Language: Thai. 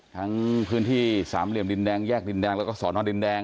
ทั้งพื้นที่สามเหลี่ยมดินแดงแยกดินแดงแล้วก็สอนอดินแดง